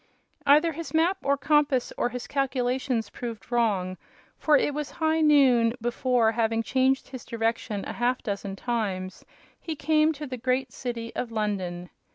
Either his map or compass or his calculations proved wrong, for it was high noon before, having changed his direction a half dozen times, he came to the great city of London.